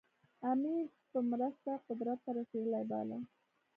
امیر په مرسته قدرت ته رسېدلی باله.